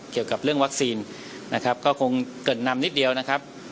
เกี่ยวกับเรื่องวัคซีนนะครับก็คงเกิดนำนิดเดียวนะครับ